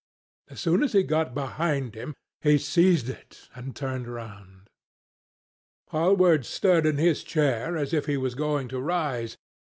As soon as he got behind him, he seized it and turned round. Hallward stirred in his chair as if he was going to rise.